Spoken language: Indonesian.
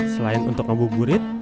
selain untuk ngabuburit